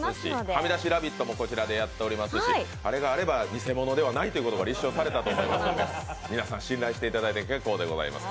「はみだしラヴィット！」もこちらでやっておりますしあれがあれば偽者ではないということが立証されたので皆さん信頼していただいて結構でございます。